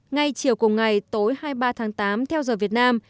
ngay chiều cùng ngày tối hai mươi ba tháng tám theo giờ việt nam